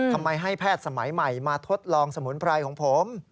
ทำไมให้แพทย์สมัยใหม่มาทดลองสมุนไพรของผม